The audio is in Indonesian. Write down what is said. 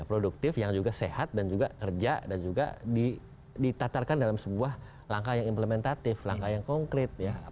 produktif yang juga sehat dan juga kerja dan juga ditatarkan dalam sebuah langkah yang implementatif langkah yang konkret ya